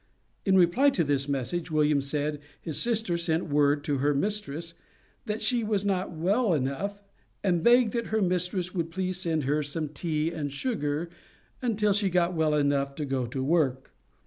In reply to this message, William said that "his sister sent word to her mistress, that she was not well enough, and begged that her mistress would please send her some tea and sugar, until she got well enough to go to work.